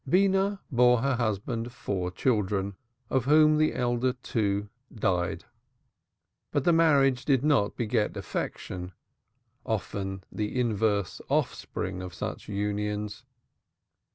Beenah bore her husband four children, of whom the elder two died; but the marriage did not beget affection, often the inverse offspring of such unions.